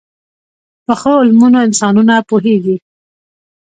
پخو علمونو انسانونه پوهيږي